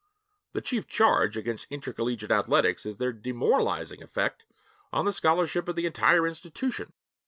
The chief charge against intercollegiate athletics is their demoralizing effect on the scholarship of the entire institution.